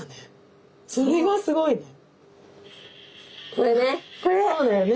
これね。